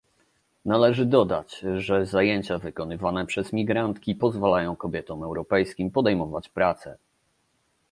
Należy dodać, że zajęcia wykonywane przez migrantki pozwalają kobietom europejskim podejmować pracę